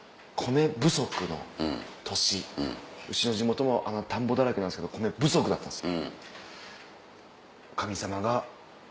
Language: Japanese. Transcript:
うちの地元も田んぼだらけなんですけど米不足だったんです。